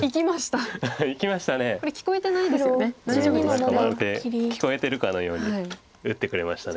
何かまるで聞こえてるかのように打ってくれました。